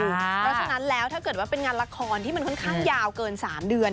เพราะฉะนั้นแล้วถ้าเกิดว่าเป็นงานละครที่มันค่อนข้างยาวเกิน๓เดือน